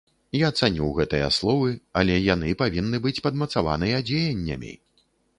Я цаню гэтыя словы, але яны павінны быць падмацаваныя дзеяннямі.